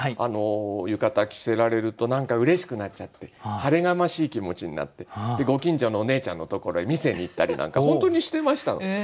浴衣着せられると何かうれしくなっちゃって晴れがましい気持ちになってご近所のおねえちゃんのところへ見せにいったりなんか本当にしてましたので。